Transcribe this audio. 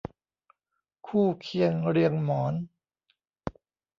คู่เคียงเรียงหมอน